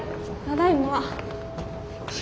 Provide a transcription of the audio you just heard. ただいま。